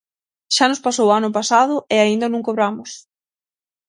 Xa nos pasou o ano pasado e aínda non cobramos.